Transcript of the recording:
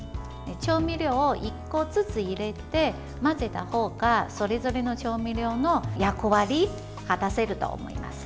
調味料を１個ずつ入れて混ぜた方がそれぞれの調味料の役割を果たせると思います。